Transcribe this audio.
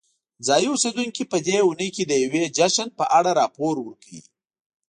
ځایی اوسیدونکي په دې اونۍ کې د یوې جشن په اړه راپور ورکوي.